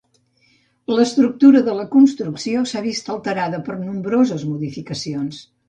L'estructura de la construcció s'ha vist alterada per nombroses modificacions.